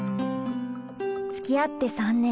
つきあって３年。